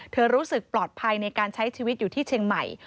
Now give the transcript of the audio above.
รู้สึกปลอดภัยในการใช้ชีวิตอยู่ที่เชียงใหม่